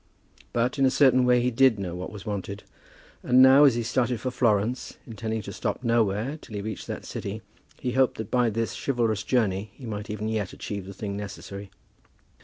But in a certain way he did know what was wanted; and now, as he started for Florence, intending to stop nowhere till he reached that city, he hoped that by this chivalrous journey he might even yet achieve the thing necessary.